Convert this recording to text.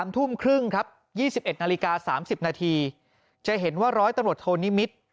ทุ่มครึ่งครับ๒๑นาฬิกา๓๐นาทีจะเห็นว่าร้อยตำรวจโทนิมิตร